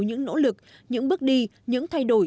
những nỗ lực những bước đi những thay đổi